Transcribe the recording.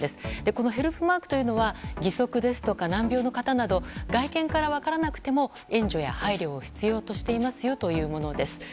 このヘルプマークというのは義足ですとか難病の方など外見から分からなくても援助や配慮を必要としていますというものです。